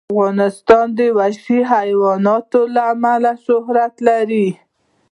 افغانستان د وحشي حیوانات له امله شهرت لري.